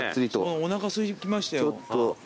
おなかすいてきましたよ。